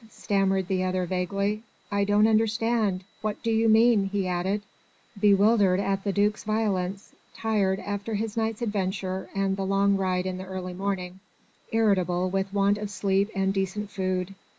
stammered the other vaguely. "I don't understand. What do you mean?" he added, bewildered at the duc's violence, tired after his night's adventure and the long ride in the early morning, irritable with want of sleep and decent food.